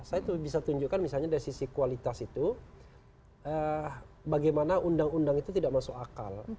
saya bisa tunjukkan misalnya dari sisi kualitas itu bagaimana undang undang itu tidak masuk akal